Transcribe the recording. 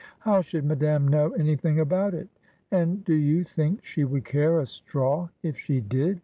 ' How should Madame know anything about it ? And do you think she would care a straw if she did